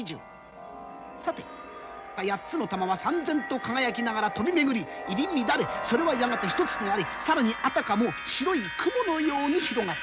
さて八つの珠はさん然と輝きながら飛び巡り入れ乱れそれはやがて一つとなり更にあたかも白い雲のように広がった。